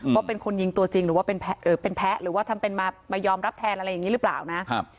ว่าเป็นคนยิงตัวจริงหรือว่าเป็นแพ้หรือว่าทำเป็นมายอมรับแทนอะไรอย่างนี้หรือเปล่านะครับ